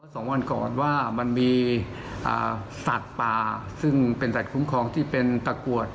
สองวันก่อนว่ามันมีอ่าสัตว์ป่าซึ่งเป็นสัตว์คุ้มครองที่เป็นตะกรวด